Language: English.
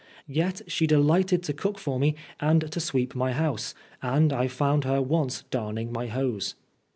Yet she delighted to cook for me and to sweep my house, and I found her once darning my hose.